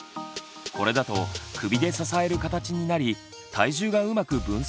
これだと首で支える形になり体重がうまく分散できません。